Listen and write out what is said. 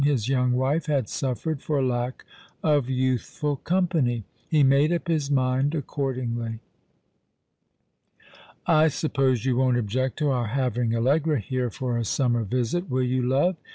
His young wife had suffered for lack of youthful company. He made up his mind accordingly. "I suppose you won't object to our having Allegra here for a summer visit, will you, love